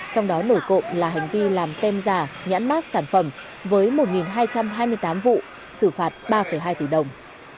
trong đó nổi cộng là hành vi làm tem giả nhãn mát sản phẩm với một hai trăm hai mươi tám vụ xử phạt ba hai tỷ đồng